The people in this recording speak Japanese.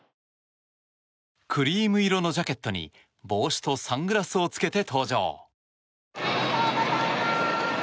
クリーム色のジャケットに帽子とサングラスを着けて登場。